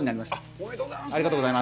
おめでとうございます。